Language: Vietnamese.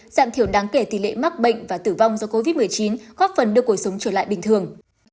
giảm thiểu đáng kể tỷ lệ mắc bệnh và tử vong do covid một mươi chín góp phần đưa cuộc sống trở lại bình thường